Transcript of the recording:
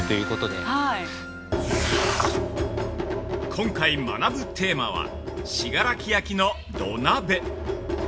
◆今回、学ぶテーマは信楽焼の土鍋。